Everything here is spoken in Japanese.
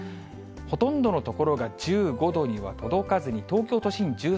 ほとんどの所が１５度には届かずに、東京都心１３度。